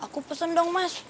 kebelet gara gara gerogi barusan